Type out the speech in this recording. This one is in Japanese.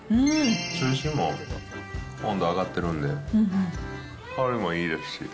中心も温度上がってるんで、香りもいいですし。